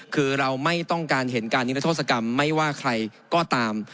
คือเราไม่ต้องการเห็นการนิรโทษกรรมไม่ว่าใครก็ตาม